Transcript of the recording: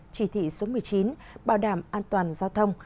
chỉ thị số một mươi chín bảo đảm an toàn giao thông